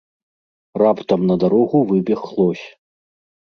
Раптам на дарогу выбег лось.